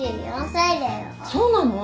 そうなの？